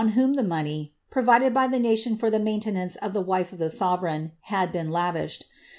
whom the money, provided by the nation for the maintenance of the t; wife of the sovereign, had been lavished.